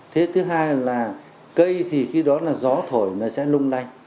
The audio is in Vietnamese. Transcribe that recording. thế thứ hai là cây thì khi đó là gió thổi nó sẽ lung lay